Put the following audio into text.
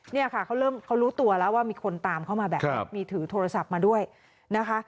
เนี่ยค่ะเขาเริ่มเขารู้ตัวแล้วว่ามีคนตามเข้ามาแบบนี้มีถือโทรศัพท์มาด้วยนะคะ